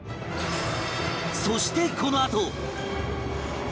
そしてこのあと